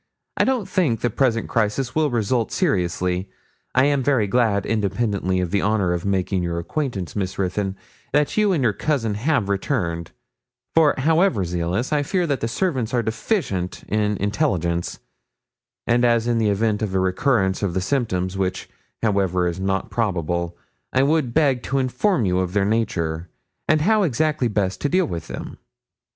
I don't think the present crisis will result seriously. I am very glad, independently of the honour of making your acquaintance, Miss Ruthyn, that you and your cousin have returned; for, however zealous, I fear the servants are deficient in intelligence; and as in the event of a recurrence of the symptoms which, however, is not probable I would beg to inform you of their nature, and how exactly best to deal with them.'